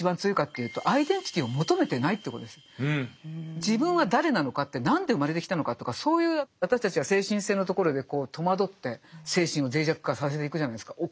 で何が一番強いかというと自分は誰なのかって何で生まれてきたのかとかそういう私たちは精神性のところで戸惑って精神を脆弱化させていくじゃないですか。